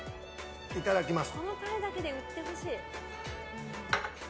いただきます。